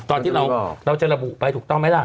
ตอนที่เราจะระบุไปถูกต้องไหมล่ะ